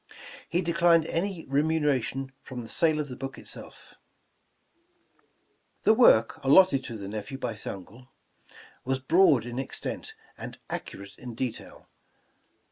He declined any remuneration from the sale of the book itself. The work alloted to the nephew by his uncle, was broad in extent, and accurate in detail.